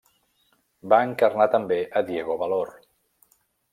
Va encarnar també a Diego Valor.